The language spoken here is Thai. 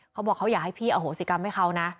เขาบอกเขาอยากให้พี่อโหสิกรรมให้เขานะ